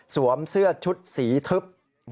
เสื้อชุดสีทึบ